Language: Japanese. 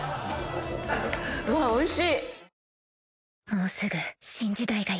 うわっおいしい！